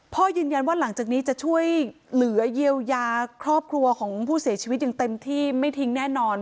พ่อยืนยันว่าหลังจากนี้จะช่วยเหลือเยียวยาครอบครัวของผู้เสียชีวิตอย่างเต็มที่ไม่ทิ้งแน่นอน